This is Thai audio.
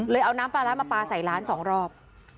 เอาน้ำปลาร้ามาปลาใส่ร้านสองรอบ